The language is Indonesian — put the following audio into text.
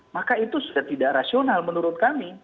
maka itu sudah tidak rasional menurut kami